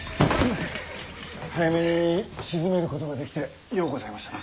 早めに鎮めることができてようございましたな。